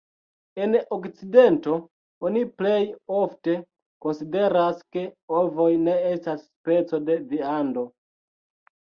En okcidento oni plej ofte konsideras ke ovoj ne estas speco de viando.